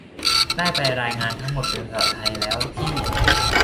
ได้แปลรายงานทั้งหมดเป็นภาษาไทยแล้ว ที่